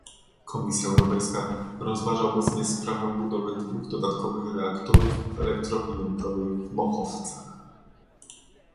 Komisja Europejska rozważa obecnie sprawę budowy dwóch dodatkowych reaktorów w elektrowni jądrowej w Mochowcach